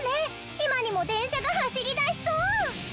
今にも電車が走り出しそう！